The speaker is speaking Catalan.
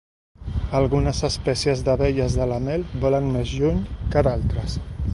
Algunes espècies d'abelles de la mel volen més lluny que d'altres.